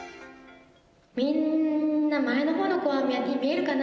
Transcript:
みんな、前のほうの子は見えるかな？